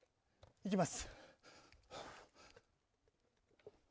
行きます！